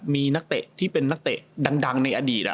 มีนักเตะที่เป็นนักเตะดังในอดีต